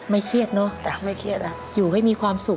ไม่เครียกเนอะอยู่ให้มีความสุข